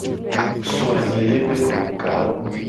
Wo so anyele be hlokawo.